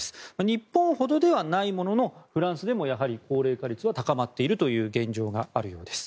日本ほどではないもののフランスでもやはり高齢化率は高まっているという現状があるようです。